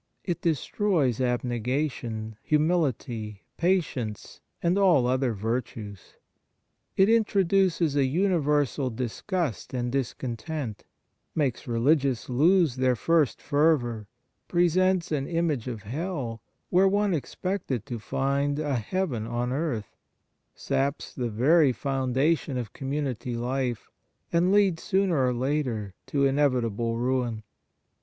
It destroys abnegation, humility, patience, and all other virtues. It introduces a universal disgust and discontent, makes religious lose their first fervour, presents an image of hell where one expected to find a ii Fraternal Charity heaven on earth, saps the very foundation of community life, and leads sooner or later to inevitable ruin.